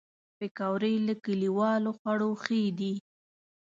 پکورې له کلیوالي خواړو ښې دي